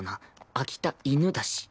秋田犬だし。